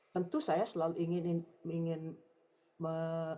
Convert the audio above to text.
tentu saya selalu ingin ingin me